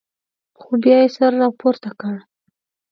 خو بیا یې سر راپورته کړ.